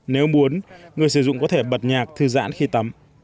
nếu muốn người sử dụng có thể bật nhạc thư giãn khi tắm